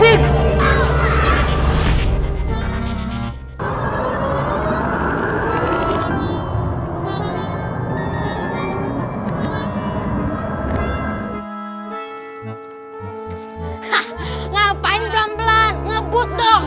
hah ngapain belan belan ngebut dong